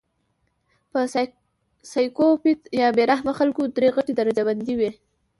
پۀ سايکو پېت يا بې رحمه خلکو درې غټې درجه بندۍ وي